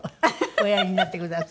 おやりになってください。